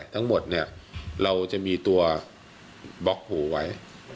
ทั้งหมดเนี่ยเราจะมีตัวบล็อกหูไว้